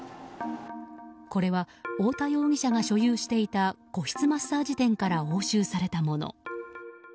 これは大田容疑者が所有していた個室マッサージ店から押収されたもの。